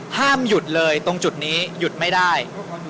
ห้ามหยุดเลยตรงจุดนี้หยุดไม่ได้